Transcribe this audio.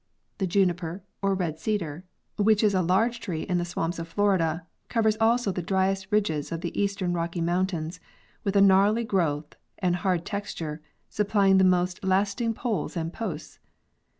The juniper or red cedar, ee The Habitat of the Juniper. 183 which is a large tree in the swamps of Florida, covers also the driest ridges of the eastern Rocky mountains, with a enarly growth and hard texture, supplying the most lasting poles and posts.